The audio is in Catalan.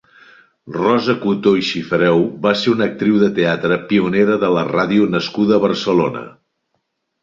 Rosa Cotó i Xifreu va ser una actriu de teatre, pionera de la ràdio nascuda a Barcelona.